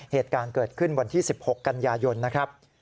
เหตุการณ์เกิดขึ้นวันที่๑๖กันยายนนะครับ